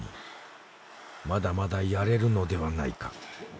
まだまだやれるのではないか。